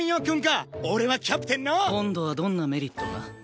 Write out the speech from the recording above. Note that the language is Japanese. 今度はどんなメリットが？